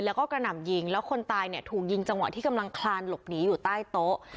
แล้วก็กระหน่ำยิงแล้วคนตายเนี่ยถูกยิงจังหวะที่กำลังคลานหลบหนีอยู่ใต้โต๊ะ